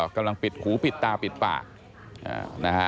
กำลังปิดหูปิดตาปิดปากนะฮะ